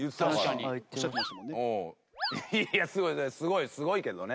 すごい。いやすごいすごいけどね。